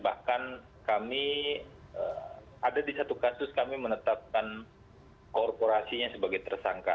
bahkan kami ada di satu kasus kami menetapkan korporasinya sebagai tersangka